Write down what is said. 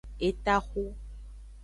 Etaxu.